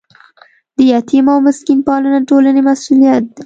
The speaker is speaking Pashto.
د یتیم او مسکین پالنه د ټولنې مسؤلیت دی.